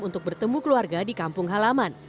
untuk bertemu keluarga di kampung halaman